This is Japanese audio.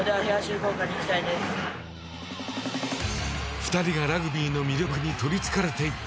２人がラグビーの魅力に取りつかれていった